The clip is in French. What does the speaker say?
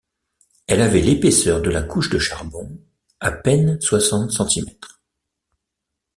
Elle avait l’épaisseur de la couche de charbon, à peine soixante centimètres.